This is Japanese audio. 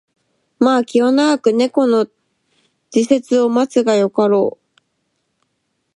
まあ気を永く猫の時節を待つがよかろう